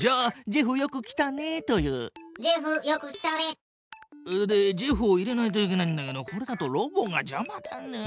ジェフよく来たね。でジェフを入れないといけないんだけどこれだとロボがじゃまだな。